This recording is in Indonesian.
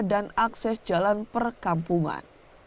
dan akses jalan perkampungan